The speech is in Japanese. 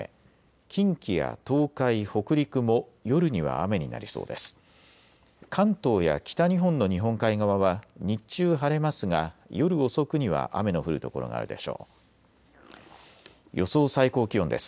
近畿や東海、北陸も夜には雨になりそうです。